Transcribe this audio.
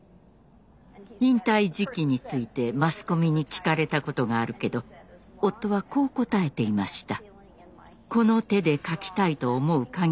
引退時期についてマスコミに聞かれたことがあるけど夫はこう答えていました。